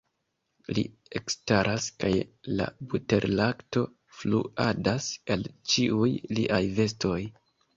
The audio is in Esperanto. Li ekstaras kaj la buterlakto fluadas el ĉiuj liaj vestoj.